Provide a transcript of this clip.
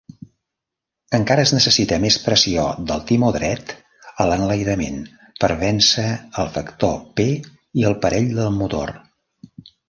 Encara es necessita més pressió del timó dret a l'enlairament per vèncer el factor p i el parell del motor.